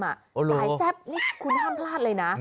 หลายแซ่บคุณห้ามพลาดเลยนะ